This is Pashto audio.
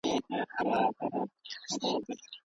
بیا نارې د یا قربان سوې له کیږدیو